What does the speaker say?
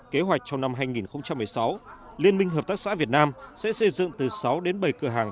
kế hoạch trong năm hai nghìn một mươi sáu liên minh hợp tác xã việt nam sẽ xây dựng từ sáu đến bảy cửa hàng